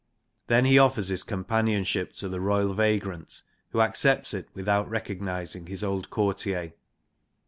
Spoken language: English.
Then he offers his companionship to the royal vagrant, who accepts it without recognising his old courtier.